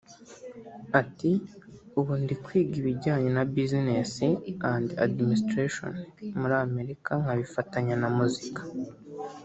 Ati « Ubu ndi kwiga ibijyanye na Business & Administration muri Amerika nkabifatanya na muzika